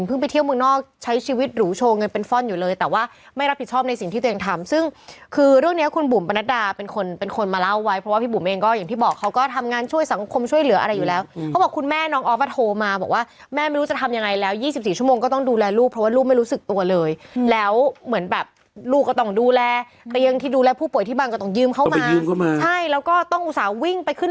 เพราะว่าพี่บุ๋มเองก็อย่างที่บอกเขาก็ทำงานช่วยสังคมช่วยเหลืออะไรอยู่แล้วเขาบอกคุณแม่น้องอ๊อฟว่าโทรมาบอกว่าแม่ไม่รู้จะทำยังไงแล้วยี่สิบสี่ชั่วโมงก็ต้องดูแลลูกเพราะว่าลูกไม่รู้สึกตัวเลยแล้วเหมือนแบบลูกก็ต้องดูแลแต่ยังที่ดูแลผู้ป่วยที่บางก็ต้องยืมเขามาใช่แล้วก็ต้องอุตส่าห์วิ่งไปขึ้น